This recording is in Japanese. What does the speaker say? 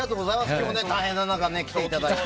今日、大変な中、来ていただいて。